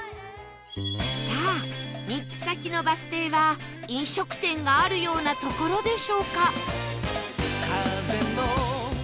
さあ３つの先のバス停は飲食店があるような所でしょうか？